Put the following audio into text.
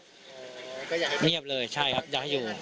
เงียบเลยใช่ครับอยากให้อยู่